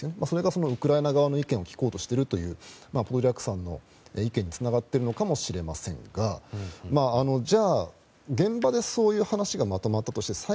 それがウクライナ側の意見を聞こうとしているというポドリャク氏の意見につながっているかもしれませんがじゃあ、現場でそういう話がまとまったとして